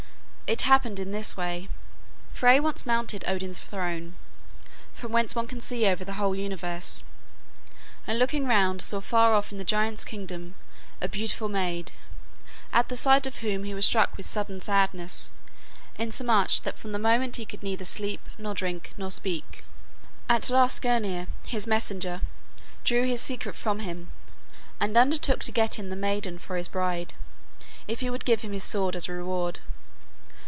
It happened in this way: Frey once mounted Odin's throne, from whence one can see over the whole universe, and looking round saw far off in the giant's kingdom a beautiful maid, at the sight of whom he was struck with sudden sadness, insomuch that from that moment he could neither sleep, nor drink, nor speak. At last Skirnir, his messenger, drew his secret from him, and undertook to get him the maiden for his bride, if he would give him his sword as a reward.